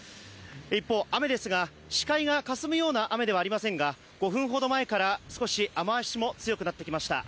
一方、雨ですが視界がかすむような雨ではありませんが５分ほど前から少し雨足も強くなってきました。